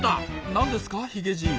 なんですかヒゲじい。